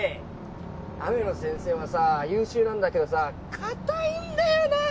雨野先生はさ優秀なんだけどさかたいんだよな！